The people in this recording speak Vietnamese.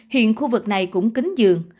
hiện khu vực này cũng kính dường